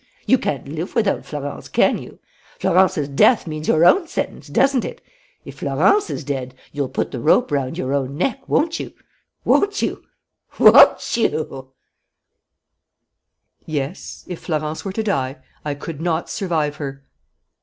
You can't live without Florence, can you? Florence's death means your own sentence, doesn't it? If Florence is dead, you'll put the rope round your own neck, won't you, won't you, won't you?" "Yes. If Florence were to die, I could not survive her!"